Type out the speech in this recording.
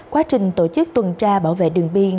quá trình tổ chức tuần tra bảo vệ đường biên